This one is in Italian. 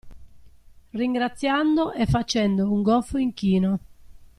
Ringraziando e facendo un goffo inchino.